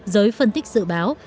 giới phân tích dự báo